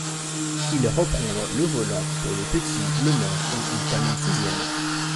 Il reprendre le volant pour le Petit Le Mans ou il termine sixième.